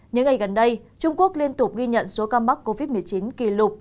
những ngày gần đây trung quốc liên tục ghi nhận số ca mắc covid một mươi chín kỷ lục